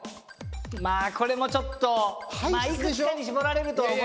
まあこれもちょっといくつかに絞られるとは思いますけど。